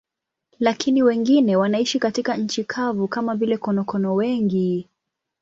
Lakini wengine wanaishi katika nchi kavu, kama vile konokono wengi.